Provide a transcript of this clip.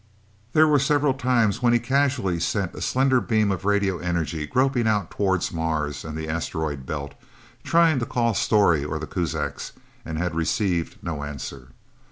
There were the several times when he had casually sent a slender beam of radio energy groping out toward Mars and the Asteroid Belt, trying to call Storey or the Kuzaks, and had received no answer.